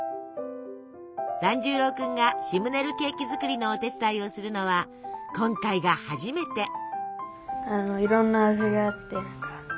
團十郎くんがシムネルケーキ作りのお手伝いをするのは今回が初めて。